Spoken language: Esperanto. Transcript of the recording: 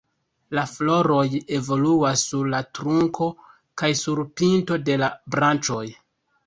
La floroj evoluas sur la trunko kaj sur pinto de la branĉoj.